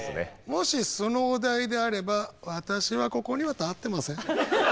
もしそのお題であれば私はここには立ってません。